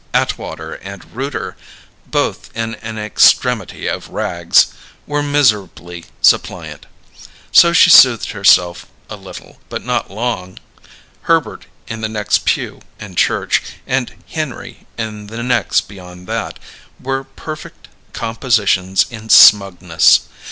Atwater and Rooter (both in an extremity of rags) were miserably suppliant. So she soothed herself a little but not long. Herbert, in the next pew, in church, and Henry in the next beyond that, were perfect compositions in smugness.